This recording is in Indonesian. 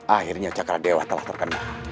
akhirnya sakar dewa telah terkena